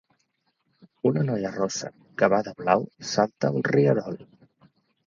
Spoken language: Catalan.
Una noia rossa que va de blau salta un rierol